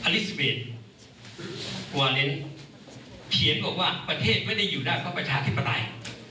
วาเลนส์เขียนบอกว่าประเทศไม่ได้อยู่ได้เพราะประชาธิปไตย